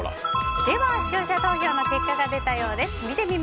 では視聴者投票の結果が出たようです。